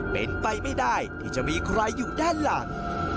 เป็นไปไม่ได้ที่จะมีใครอยู่ด้านหลัง